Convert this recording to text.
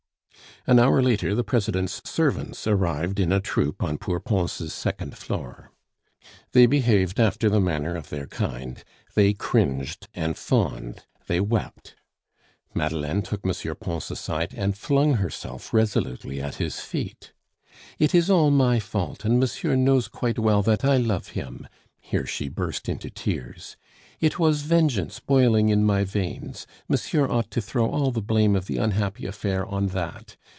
An hour later the President's servants arrived in a troop on poor Pons' second floor. They behaved after the manner of their kind; they cringed and fawned; they wept. Madeleine took M. Pons aside and flung herself resolutely at his feet. "It is all my fault; and monsieur knows quite well that I love him," here she burst into tears. "It was vengeance boiling in my veins; monsieur ought to throw all the blame of the unhappy affair on that.